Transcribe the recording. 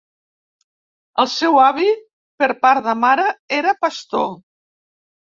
El seu avi per part de mare era pastor.